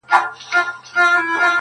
o يو به مړ نه سي، بل به موړ نه سي٫